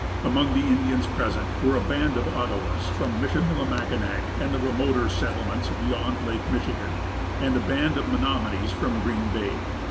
Among the Indians present were a band of Ottawas from Michillimackinac, and remoter settlements, beyond Lake Michigan, and a band of Menomonies from Green Bay.